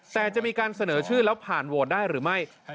แต่จะมีการเสนอชื่อแล้วผ่านโหวตได้หรือไม่